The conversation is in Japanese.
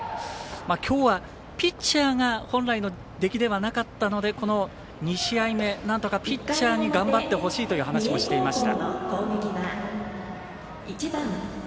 きょうは、ピッチャーが本来の出来ではなかったのでこの２試合目、なんとかピッチャーに頑張ってほしいという話もしていました。